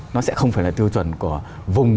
nó sẽ không phải là tiêu chuẩn của vùng